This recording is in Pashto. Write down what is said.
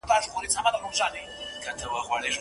آیا خپله خوله تر پردۍ خولې خوږه ده؟